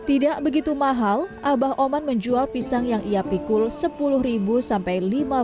hai tidak begitu mahal abah oman menjual pisang yang ia pikul sepuluh sampai lima belas